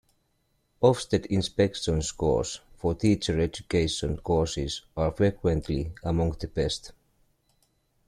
Ofsted inspection scores for teacher education courses are frequently among the best.